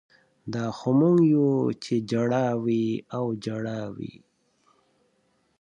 دا خو موږ یو چې ژړا وي او ژړا وي